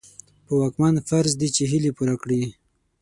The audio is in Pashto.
په واکمن فرض دي چې هيلې پوره کړي.